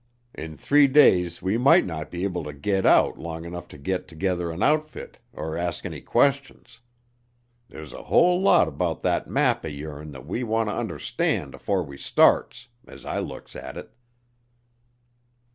In three days we might not be able to git out long 'nuff to git tergether an outfit er ask any questions. There's a whole lot 'bout thet map o' yourn thet we wanter understan' afore we starts, as I looks at it."